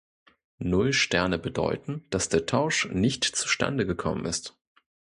Null Sterne bedeuten, dass der Tausch nicht zustande gekommen ist.